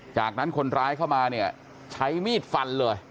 จากนั้นคนร้ายเข้ามาเนี่ยใช้มีดฟันเลย